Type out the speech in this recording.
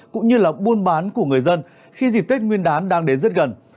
cũng như là buôn bán của người dân khi dịp tết nguyên đán đang đến rất gần